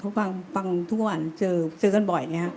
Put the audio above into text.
เขาฟังทุกวันเจอกันบ่อยนะฮะ